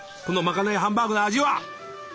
このまかないハンバーグの味は。